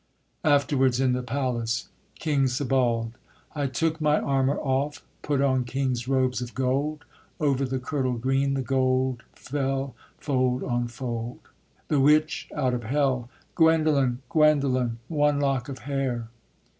Afterwards, in the Palace. KING SEBALD. I took my armour off, Put on king's robes of gold; Over the kirtle green The gold fell fold on fold. THE WITCH, out of hell. _Guendolen! Guendolen! One lock of hair!